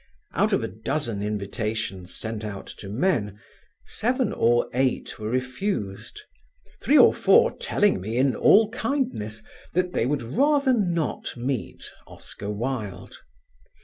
Out of a dozen invitations sent out to men, seven or eight were refused, three or four telling me in all kindness that they would rather not meet Oscar Wilde.